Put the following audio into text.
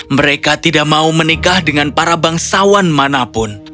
mereka tidak mau menikah dengan para bangsawan manapun